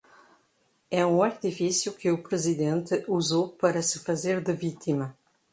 É um artifício que o presidente usou para se fazer de vítima